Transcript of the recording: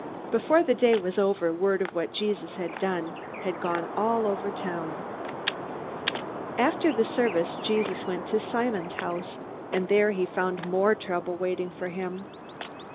Before the day was over, word of what Jesus had done had gone all over town. After the service, Jesus went to Simon's house, and there he found more trouble waiting for him.